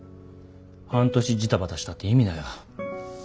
半年ジタバタしたって意味ないわ。